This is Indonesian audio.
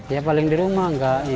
ya paling di rumah enggak